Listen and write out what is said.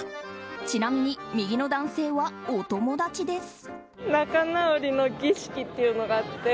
ちなみに右の男性はお友達です。